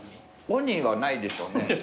オニはないでしょうね。